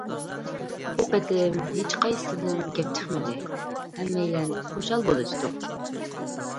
بۇ قېتىم ھېچقايسىسىدىن گەپ چىقمىدى، ھەممەيلەن خۇشال بولۇشتۇق.